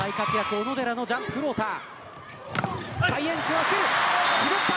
小野寺のジャンプフローター。